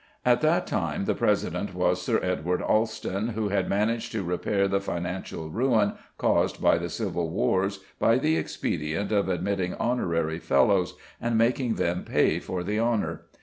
At that time the president was Sir Edward Alston, who had managed to repair the financial ruin caused by the civil wars by the expedient of admitting honorary Fellows, and making them pay for the honour.